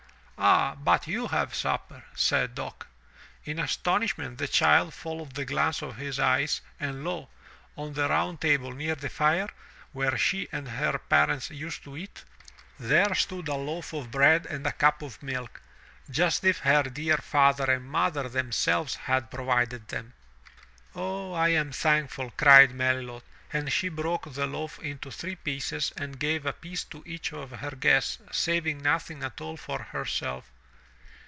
Ah, but you have supper," said Dock. In astonishment the child followed the glance of his eyes, and lo! on the round table near the fire, where she and her parents used to eat, there stood a loaf of bread and a cup of milk, just as if her dear father and mother themselves had provided them. *'0h, I am thankful," cried Melilot, and she broke the loaf into three pieces and gave a piece to each of her guests, saving nothing at all for herself.